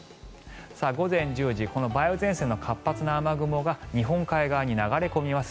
午前１０時梅雨前線の活発な雨雲が日本海側に流れ込みます。